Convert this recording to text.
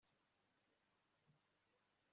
ni uko agiye atanduranyije